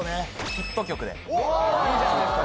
ヒット曲で・いいじゃないですか